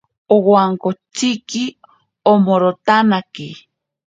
Awankoshiki omorotanake.